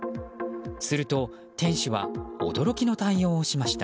すると店主は驚きの対応をしました。